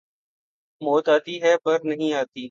موت آتی ہے پر نہیں آتی